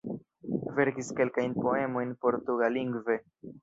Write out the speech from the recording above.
Verkis kelkajn poemojn portugallingve.